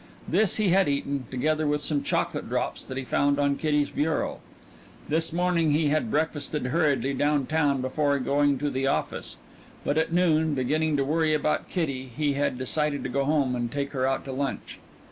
This he had eaten, together with some chocolate drops that he found on Kitty's bureau. This morning he had breakfasted hurriedly down town before going to the office. But at noon, beginning to worry about Kitty, he had decided to go home and take her out to lunch.